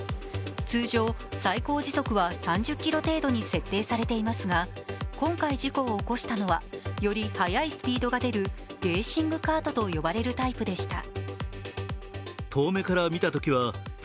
通常、最高時速は３０キロ程度に設定されていますが、今回、事故を起こしたのはより速いスピードが出るレーシングカートと呼ばれるタイプでした。